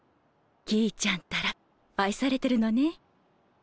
きーちゃんったら愛されてるのね。